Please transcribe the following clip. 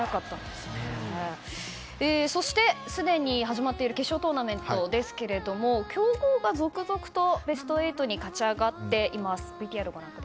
そしてすでに始まっている決勝トーナメントですが強豪が続々とベスト８に勝ち上がっています。